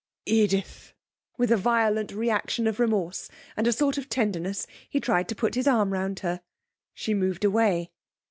'Edith!' With a violent reaction of remorse, and a sort of tenderness, he tried to put his arm round her. She moved away.